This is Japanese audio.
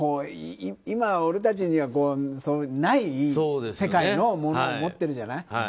今俺たちにはない世界のものを持っているじゃない。